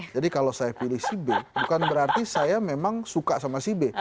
jadi kalau saya pilih si b bukan berarti saya memang suka sama si b